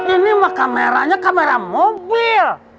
ini kameranya kamera mobil